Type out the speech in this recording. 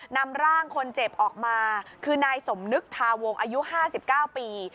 นำร่างคนเจ็บออกมาคือนายสมนึกทาวงอายุ๕๙ปี